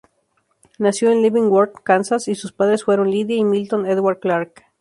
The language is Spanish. Nació en Leavenworth, Kansas, y sus padres fueron Lydia y Milton Edward Clark.